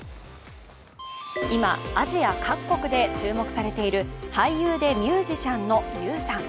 今、アジア各国で注目されている俳優でミュージシャンのＹＵさん。